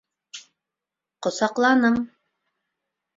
Ҡосаҡланым!